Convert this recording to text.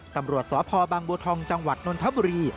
ตำรวจสพบางบัวทองจังหวัดนนทบุรี